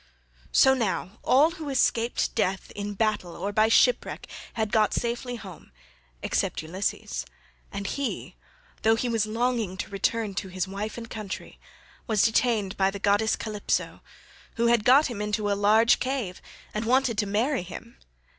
So now all who escaped death in battle or by shipwreck had got safely home except Ulysses, and he, though he was longing to return to his wife and country, was detained by the goddess Calypso, who had got him into a large cave and wanted to marry him.